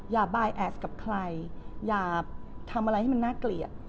บายแอดกับใครอย่าทำอะไรให้มันน่าเกลียด